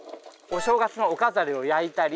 お正月のお飾りを焼いたり。